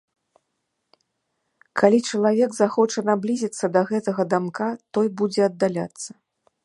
Калі чалавек захоча наблізіцца да гэтага дамка, той будзе аддаляцца.